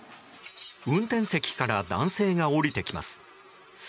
運転席から男性が降りてきます。